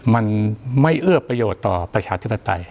มันไม่เอื้อประโยชน์ต่อประชาธิปไตย